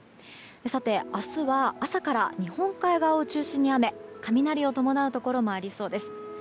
さて、明日は朝から日本海側を中心に雨雷を伴うところもありそうです。